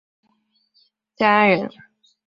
建安人。